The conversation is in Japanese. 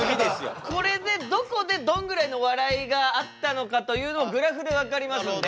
これでどこでどんぐらいの笑いがあったのかというのをグラフで分かりますんで。